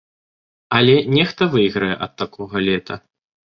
Але нехта выйграе ад такога лета.